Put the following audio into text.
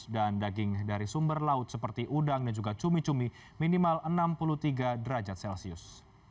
dan daging dari sumber laut seperti udang dan juga cumi cumi minimal enam puluh tiga derajat celcius